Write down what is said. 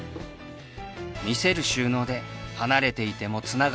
見せる収納で離れていてもつながっている